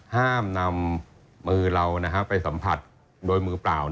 ห้ามนำมือเราไปสัมผัสโดยมือเปล่า